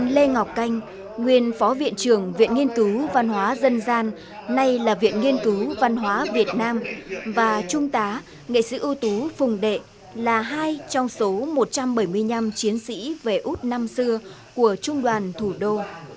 lê ngọc canh nguyên phó viện trưởng viện nghiên cứu văn hóa dân gian nay là viện nghiên cứu văn hóa việt nam và trung tá nghệ sĩ ưu tú phùng đệ là hai trong số một trăm bảy mươi năm chiến sĩ về út năm xưa của trung đoàn thủ đô